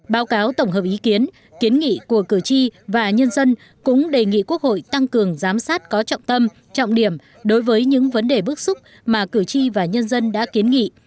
báo cáo tổng hợp ý kiến kiến nghị của cử tri và nhân dân cũng đề nghị quốc hội tăng cường giám sát có trọng tâm trọng điểm đối với những vấn đề bước xúc mà cử tri và nhân dân đã kiến nghị